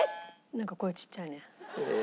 なんか声ちっちゃいね。